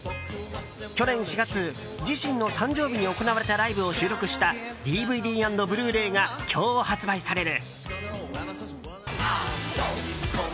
去年４月、自身の誕生日に行われたライブを収録したＤＶＤ＆ブルーレイが今日発売される。